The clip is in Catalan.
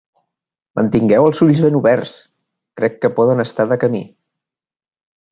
Mantingueu els ulls ben oberts! Crec que poden estar de camí.